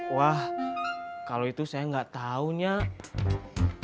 wah kalau itu saya nggak tahu nyak